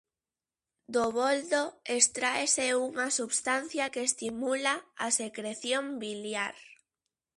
Do boldo extráese unha substancia que estimula a secreción biliar.